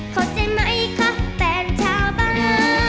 เข้าใจไหมคะแฟนชาวบ้าน